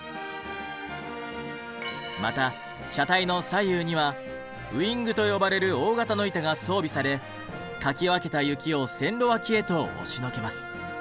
また車体の左右にはウィングと呼ばれる大型の板が装備されかき分けた雪を線路脇へと押しのけます。